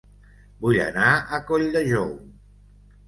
Vull anar a Colldejou